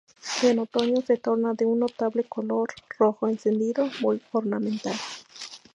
En otoño se tornan de un notable color rojo encendido muy ornamental.